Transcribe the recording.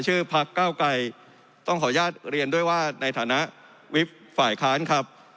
พักเก้าไกรต้องขออนุญาตเรียนด้วยว่าในฐานะวิบฝ่ายค้านครับ